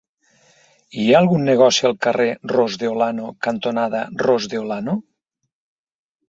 Hi ha algun negoci al carrer Ros de Olano cantonada Ros de Olano?